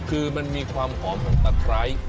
คือมันมีความหอมของตะไคร้